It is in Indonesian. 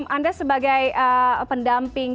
anda sebagai pendamping